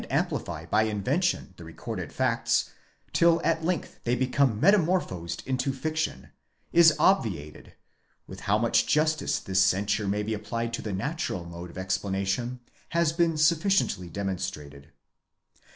amplify by invention the recorded facts, till at length they become meta morphosed into fiction, is obviated—(with how much justice this censure may be applied to the natural mode of explanation has been sufficiently demonstrated.)